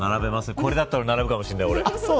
これだったら並ぶかもしれない。